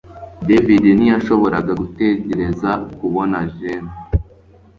David ntiyashoboraga gutegereza kubona Jane